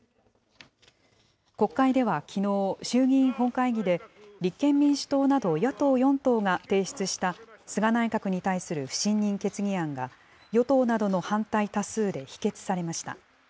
国会ではきのう、衆議院本会議で、立憲民主党など野党４党が提出した菅内閣に対する不信任決議案が、与党などの反対多数で否決されました。